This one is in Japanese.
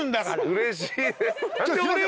うれしい。